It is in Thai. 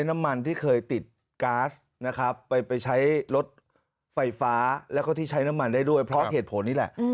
การที่เคยติดกาสไปใช้รถไฟฟ้าและที่ใช้น้ำมันได้ด้วยเพราะเหตุผลนี้แหละ